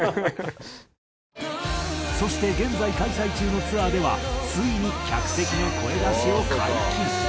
そして現在開催中のツアーではついに客席の声出しを解禁。